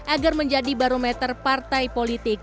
agar menjadi barometer partai politik